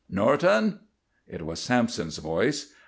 "Norton!" It was Sampson's voice.